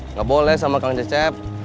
nggak boleh sama kang cecep